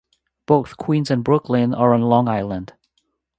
Both Queens and Brooklyn are on Long Island.